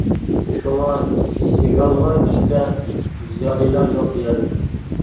شۇڭا سىگانلار ئىچىدە زىيالىيلار يوق دېيەرلىك.